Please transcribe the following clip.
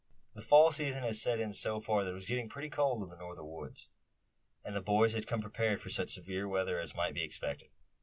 The fall season had set in so far that it was getting pretty cold in the Northern Woods; and the boys had come prepared for such severe weather as might be expected.